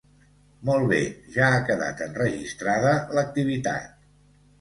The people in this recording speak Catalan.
Molt bé, ja ha quedat enregistrada l'activitat.